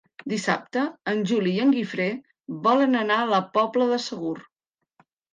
Dissabte en Juli i en Guifré volen anar a la Pobla de Segur.